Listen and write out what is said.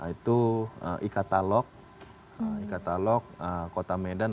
itu e katalog kota medan